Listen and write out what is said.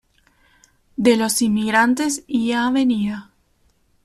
De los Inmigrantes y Av.